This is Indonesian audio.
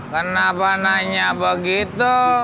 kenapa nanya begitu